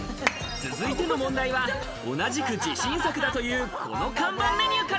続いての問題は、同じく自信作だというこの看板メニューから。